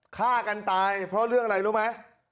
ฆ่ากันตายเพราะเรื่องอะไรรู้ไหม